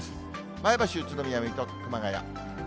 前橋、宇都宮、水戸、熊谷。